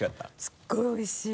すごいおいしい。